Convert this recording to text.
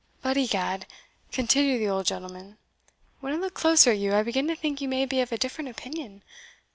But, egad," continued the old gentleman, "when I look closer at you, I begin to think you may be of a different opinion.